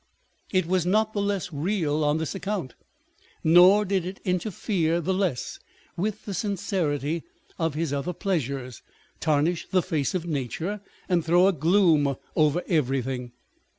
It was not the less real on this account ; nor did it interfere the less with the sincerity of his other pleasures, tarnish the face of nature, and throw a gloom over everything.